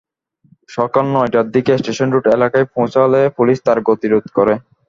সকাল নয়টার দিকে স্টেশন রোড এলাকায় পৌঁছালে পুলিশ তাঁর গতিরোধ করে।